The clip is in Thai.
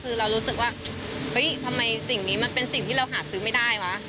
คือเรารู้สึกว่าเฮ้ยทำไมสิ่งนี้มันเป็นสิ่งที่เราหาซื้อไม่ได้วะ